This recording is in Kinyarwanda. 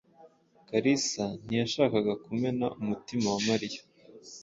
Kalisa ntiyashakaga kumena umutima wa Mariya.